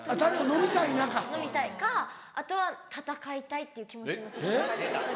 飲みたいかあとは戦いたいっていう気持ちの時に。